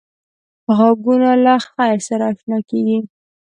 غوږونه له خیر سره اشنا کېږي